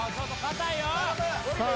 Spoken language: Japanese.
さあ